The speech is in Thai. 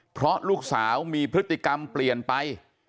เพราะลูกสาวมีพฤติกรรมเปลี่ยนไป